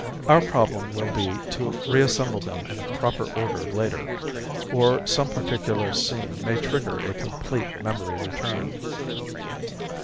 Our problem will be to reassemble them in proper order later. Or some particular scene may trigger a complete memory return.